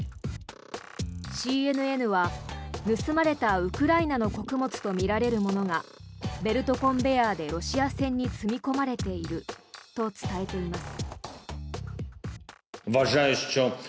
ＣＮＮは盗まれたウクライナの穀物とみられるものがベルトコンベヤーでロシア船に積み込まれていると伝えています。